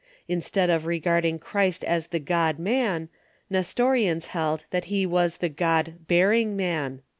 Instead of regarding Christ as the God man, Nestorius held that he was the God bearing man.